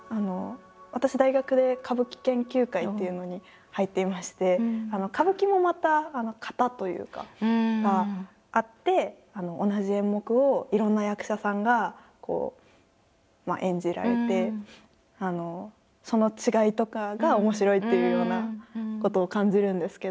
私大学で歌舞伎研究会っていうのに入っていまして歌舞伎もまた型というかがあって同じ演目をいろんな役者さんが演じられてその違いとかが面白いっていうようなことを感じるんですけど。